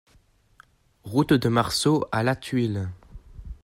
Route de Marceau à Lathuile